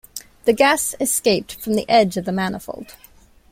The gas escaped from the edge of the manifold.